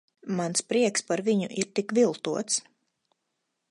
Mans prieks par viņu ir tik viltots.